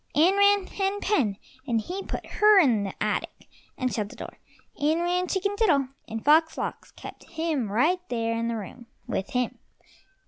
In ran Hen pen, and he put her in the attic, and shut the door. In ran Chicken diddle, and Fox lox kept him right there in the room with him.